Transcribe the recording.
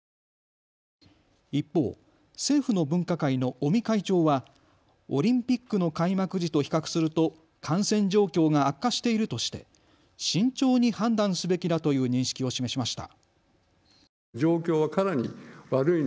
一方、政府の分科会の尾身会長はオリンピックの開幕時と比較すると感染状況が悪化しているとして慎重に判断すべきだという認識を示しました。